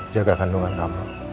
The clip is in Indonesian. jaga kandungan kamu